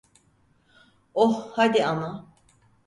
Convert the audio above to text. Oh, hadi ama.